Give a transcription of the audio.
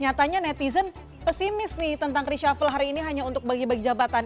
nyatanya netizen pesimis nih tentang reshuffle hari ini hanya untuk bagi bagi jabatan